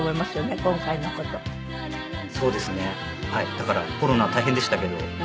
だからコロナは大変でしたけどまあ